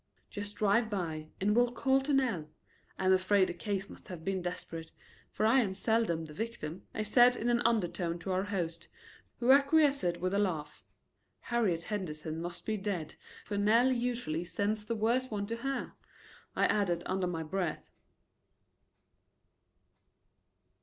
"Just drive by and we'll call to Nell. I am afraid the case must have been desperate, for I am seldom the victim," I said in an undertone to our host, who acquiesced with a laugh. "Harriet Henderson must be dead, for Nell usually sends the worse one to her," I added under my breath.